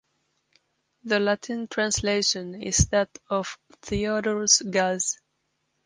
The Latin translation is that of Theodorus Gaz.